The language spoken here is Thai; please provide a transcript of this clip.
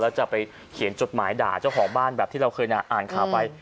แล้วจะไปเขียนจดหมายด่าเจ้าของบ้านแบบที่เราเคยอ่านข่าวไป